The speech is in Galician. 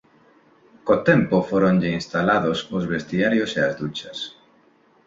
Co tempo fóronlle instalados os vestiarios e as duchas.